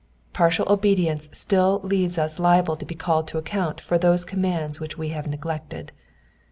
Partial obedience still leaves us liable to bo called to account for those commands which we have neglected.